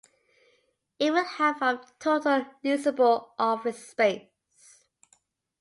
It will have of total leasable office space.